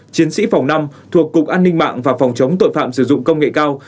chiến sĩ phòng năm thuộc cục an ninh mạng và phòng chống tội phạm sử dụng công nghệ cao